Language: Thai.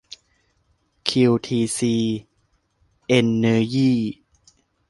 คิวทีซี เอนเนอร์ยี่